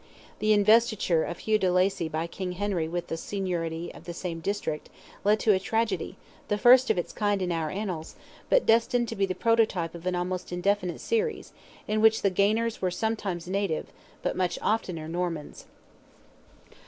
The investiture of Hugh de Lacy by King Henry with the seignory of the same district, led to a tragedy, the first of its kind in our annals, but destined to be the prototype of an almost indefinite series, in which the gainers were sometimes natives, but much oftener Normans.